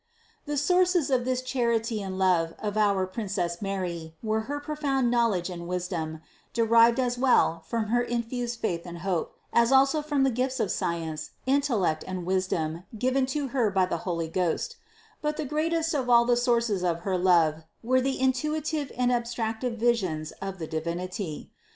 526. The sources of this charity and love of our prin cess Mary were her profound knowledge and wisdom, derived as well from her infused faith and hope, as also from the gifts of science, intellect and wisdom given to Her by the Holy Ghost ; but the greatest of all the sources of her love were the intuitive and abstractive visions of the Divinity.